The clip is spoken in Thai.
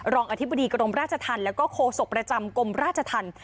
รองอธิบดีกรมราชทันแล้วก็โคศกประจำกรมราชทัน